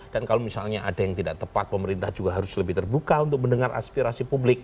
dan kalau misalnya ada yang tidak tepat pemerintah juga harus lebih terbuka untuk mendengar aspirasi publik